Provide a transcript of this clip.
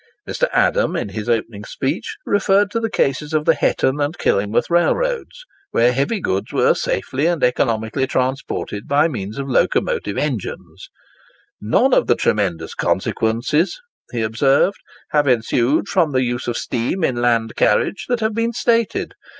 Mr. Adam, in his opening speech, referred to the cases of the Hetton and the Killingworth railroads, where heavy goods were safely and economically transported by means of locomotive engines. "None of the tremendous consequences," he observed, "have ensued from the use of steam in land carriage that have been stated.